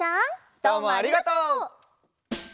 どうもありがとう。